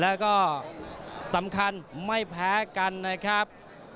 แล้วก็สำคัญไม่แพ้กันนะครับ